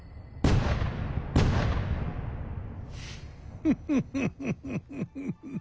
フフフフフフフ。